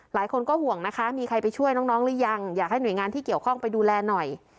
หลายคนก็ห่วงนะคะมีใครไปช่วยน้องหรือยังอยากให้หน่วยงานที่เกี่ยวข้องไปดูแลหน่อย